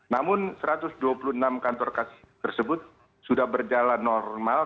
namun satu ratus dua puluh enam kantor kasus tersebut sudah berjalan normal